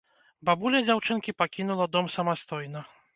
Бабуля дзяўчынкі пакінула дом самастойна.